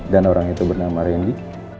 dan orang itu bernama randy